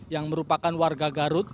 yang merupakan warga garut